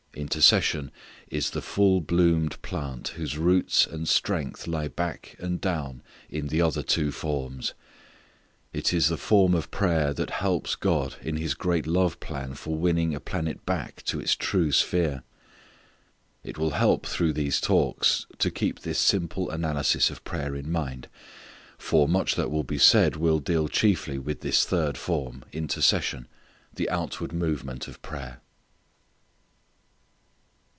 Intercession is the full bloomed plant whose roots and strength lie back and down in the other two forms. It is the form of prayer that helps God in His great love plan for winning a planet back to its true sphere. It will help through these talks to keep this simple analysis of prayer in mind. For much that will be said will deal chiefly with this third form, intercession, the outward movement of prayer.